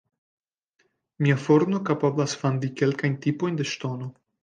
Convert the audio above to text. Mia forno kapablas fandi kelkajn tipojn de ŝtono.